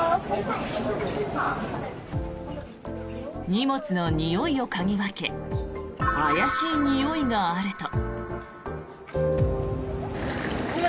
荷物のにおいを嗅ぎ分け怪しいにおいがあると。